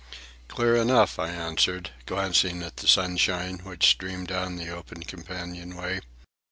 "Clear enough," I answered, glancing at the sunshine which streamed down the open companion way.